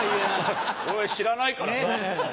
俺知らないからさ。